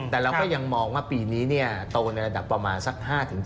แต่เราก็ยังมองว่าปีนี้โตในระดับประมาณสัก๕๗